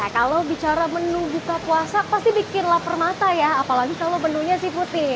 kalau bicara menu buka puasa pasti bikin lapar mata ya apalagi kalau menunya si putih